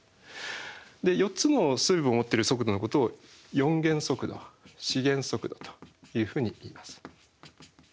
４つの成分を持ってる速度のことを４元速度４元速度というふうにいいます。